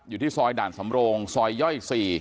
อยู่ที่ซอยด่านสำโรงซอยย่อย๔